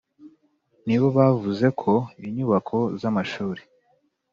nibo bavuze ko inyubaka z amashuri